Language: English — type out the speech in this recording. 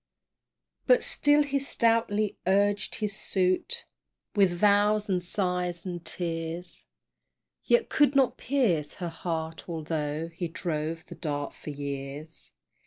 But still he stoutly urged his suit With vows, and sighs, and tears, Yet could not pierce her heart, altho' He drove the Dart for years.